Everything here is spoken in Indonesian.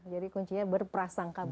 jadi kuncinya berprasangka baik